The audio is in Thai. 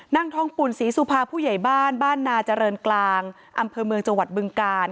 นางทองปุ่นศรีสุภาผู้ใหญ่บ้านบ้านนาเจริญกลางอำเภอเมืองจังหวัดบึงกาล